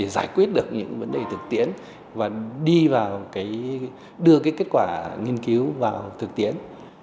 giải quyết được những vấn đề thực tiễn và đưa kết quả nghiên cứu vào thực tiễn